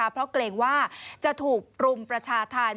เพราะเกรงว่าจะถูกรุมประชาธรรม